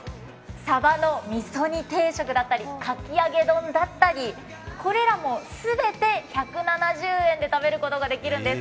サバの味噌煮定食だったり、かき揚げ丼だったり、これらも全て１７０円で食べることができるんです。